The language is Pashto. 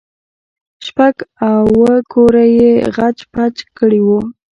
شپږ اوه کوره يې خچ پچ کړي وو.